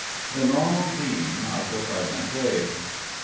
THE NORMAL DEAN OF THE PRESENT DAY.